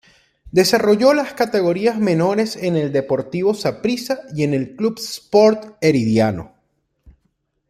Desarrolló las categorías menores en el Deportivo Saprissa y en el Club Sport Herediano.